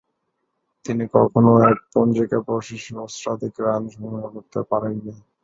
তিনি কখনও এক পঞ্জিকাবর্ষে সহস্রাধিক রান সংগ্রহ করতে পারেননি।